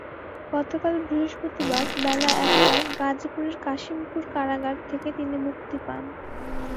গতকাল বৃহস্পতিবার বেলা একটায় গাজীপুরের কাশিমপুর কারাগার থেকে তিনি মুক্তি পান।